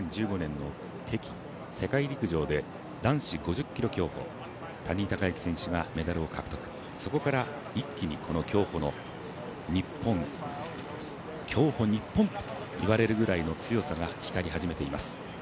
２０１５年の北京世界陸上で男子２０ｋｍ競歩メダルを獲得、そこから一気に競歩の日本、競歩日本といわれるぐらいの強さが光り始めています。